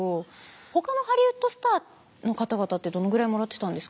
ほかのハリウッドスターの方々ってどのぐらいもらってたんですかね？